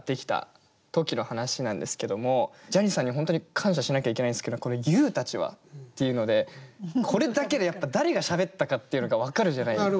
ジャニーさんに本当に感謝しなきゃいけないんですけどこの「ＹＯＵたちは」っていうのでこれだけでやっぱ誰がしゃべったかっていうのが分かるじゃないですか。